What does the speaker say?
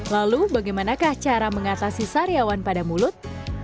lalu bagaimanakah cara mengatasi saryawan pada mulut